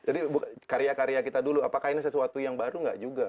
jadi karya karya kita dulu apakah ini sesuatu yang baru tidak juga